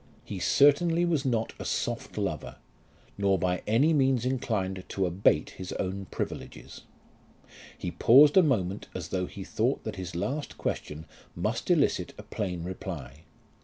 He certainly was not a soft lover, nor by any means inclined to abate his own privileges. He paused a moment as though he thought that his last question must elicit a plain reply.